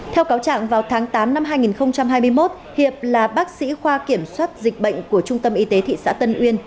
theo cáo trạng vào tháng tám năm hai nghìn hai mươi một hiệp là bác sĩ khoa kiểm soát dịch bệnh của trung tâm y tế thị xã tân uyên